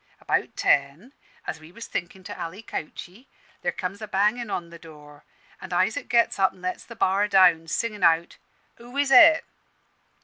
About ten, as we was thinkin' to alley couchey, there comes a bangin' on the door, an' Isaac gets up an' lets the bar down, singin' out, 'Who is it?'